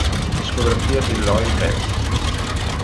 Discografia di Lloyd Banks